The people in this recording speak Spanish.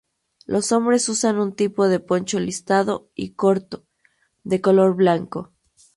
Los hombres usan un tipo de poncho listado y corto, de color blanco.